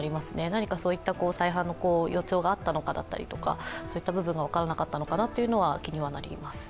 何か再犯の予兆があったりだったとか、そういった部分が分からなかったのかなということは気になります。